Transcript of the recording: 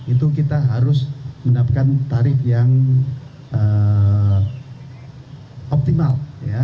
itu kita harus mendapatkan tarif yang optimal